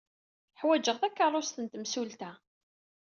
Ḥwajeɣ takeṛṛust n temsulta.